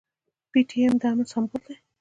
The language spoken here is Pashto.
پي ټي ايم د امن سمبول دی.